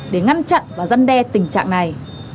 để ngăn chặn và dân đe tình trạng này